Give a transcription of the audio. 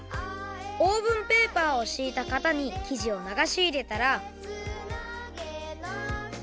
オーブンペーパーをしいた型にきじをながしいれたら。